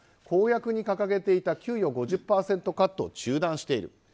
公約に掲げていた給与５０％カットを中断している。